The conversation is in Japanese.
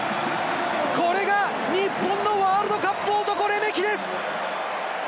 これが日本のワールドカップ男・レメキです！